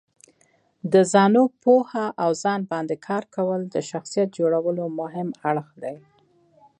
د ځانو پوهه او ځان باندې کار کول د شخصیت جوړولو مهم اړخ دی.